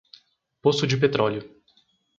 Poço de petróleo